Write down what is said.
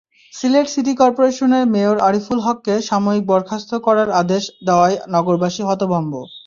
Sylhet city করপোরেশনের mayor Ariful হককে সাময়িক বরখাস্ত করার আদেশ দেওয়ায় নগরবাসী হতভম্ব।